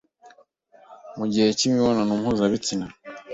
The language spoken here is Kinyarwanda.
mu gihe cy’imibonano mpuzabitsina